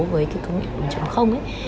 với công nghiệp bốn